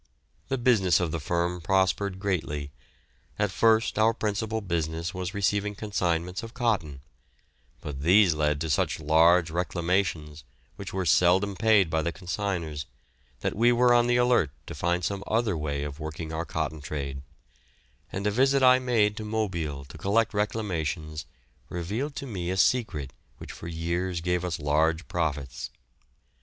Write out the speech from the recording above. The business of the firm prospered greatly. At first our principal business was receiving consignments of cotton, but these led to such large reclamations, which were seldom paid by the consignors, that we were on the alert to find some other way of working our cotton trade, and a visit I made to Mobile to collect reclamations revealed to me a secret which for years gave us large profits.